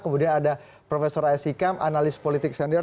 kemudian ada profesor aisyikam analis politik senior